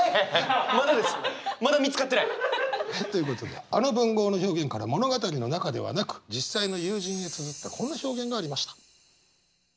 まだ見つかってない！ということであの文豪の表現から物語の中ではなく実際の友人につづったこんな表現がありました。